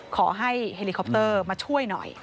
ขอให้เฮลิคอปเตอร์มาช่วยหน่อย